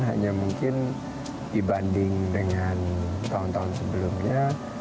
hanya mungkin dibanding dengan tahun tahun sebelumnya